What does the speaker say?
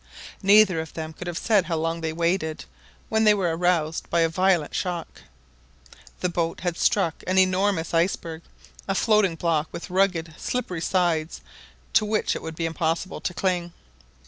Neither of them could have said how long they waited when they were aroused by a violent shock. The boat had just struck an enormous iceberg, a floating block with rugged, slippery sides, to which it would be impossible to cling.